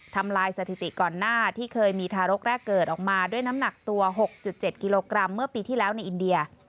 ทำลายสถิติก่อนหน้าที่เคยมีทารกแรกเกิดออกมาด้วยน้ำหนักตัว๖๗กิโลกรัมเมื่อปีที่แล้วในอินเดีย